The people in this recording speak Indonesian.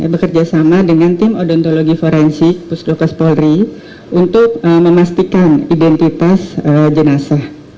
bekerjasama dengan tim odontologi forensik bdokes polri untuk memastikan identitas jenazah